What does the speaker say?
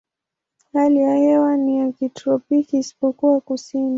Hali ya hewa ni ya kitropiki isipokuwa kusini.